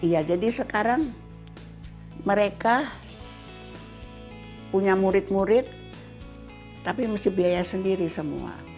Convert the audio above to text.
iya jadi sekarang mereka punya murid murid tapi mesti biaya sendiri semua